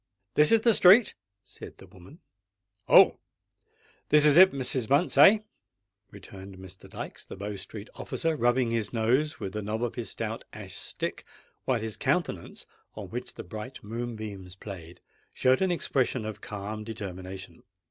"This is the street," said the woman. "Oh! this is it, Mrs. Bunce—eh?" returned Mr. Dykes, the Bow Street officer, rubbing his nose with the knob of his stout ash stick, while his countenance, on which the bright moon beams played, showed an expression of calm determination.